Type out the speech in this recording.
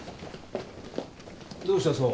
どうした？